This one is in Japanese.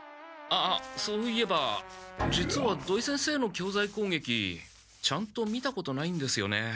あそういえば実は土井先生の教材攻撃ちゃんと見たことないんですよね。